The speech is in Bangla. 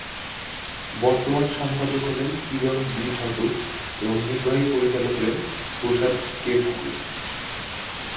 বর্তমান সম্পাদক হলেন কিরণ বি ঠাকুর এবং নির্বাহী পরিচালক হলেন প্রসাদ কে ঠাকুর।